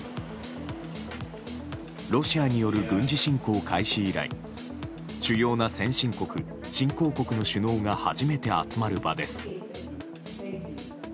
ロシアによる軍事侵攻開始以来主要な先進国、新進国の首脳が初めて集まる場です。